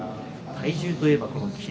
体重といえば霧